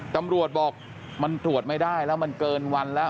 ตำรวจบอกมันตรวจไม่ได้แล้วมันเกินวันแล้ว